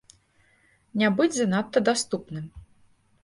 Не быць занадта даступным.